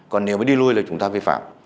còn nếu mà đi lui là chúng ta vi phạm